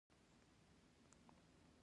کوچیان په ژمي کې چیرته میشت کیږي؟